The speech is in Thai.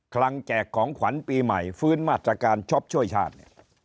ลังแจกของขวัญปีใหม่ฟื้นมาตรการช็อปช่วยชาติเนี่ย